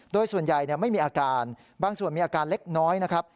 โดยส่วนใหญ่ไม่มีอาการบางส่วนมีอาการเล็กน้อยนะครับ